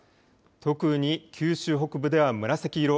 特に九州北部では紫色。